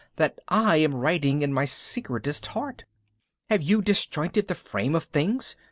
that I am writing in my secretest heart. Have you disjointed the frame of things